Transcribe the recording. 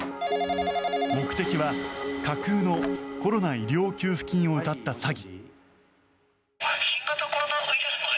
目的は架空のコロナ医療給付金をうたった詐欺。